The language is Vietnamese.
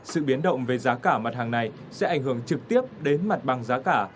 sự biến động về giá cả mặt hàng này sẽ ảnh hưởng trực tiếp đến mặt bằng giá cả